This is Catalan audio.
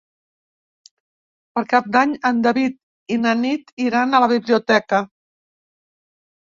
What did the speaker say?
Per Cap d'Any en David i na Nit iran a la biblioteca.